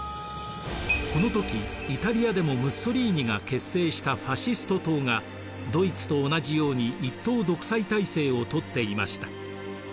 この時イタリアでもムッソリーニが結成したファシスト党がドイツと同じように一党独裁体制をとっていました。